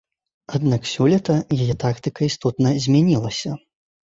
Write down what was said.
Аднак сёлета яе тактыка істотна змянілася.